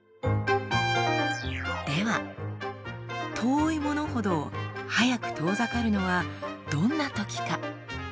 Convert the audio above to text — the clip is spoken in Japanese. では遠いものほど速く遠ざかるのはどんなときか？